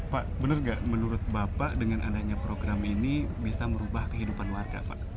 pak benar nggak menurut bapak dengan adanya program ini bisa merubah kehidupan warga pak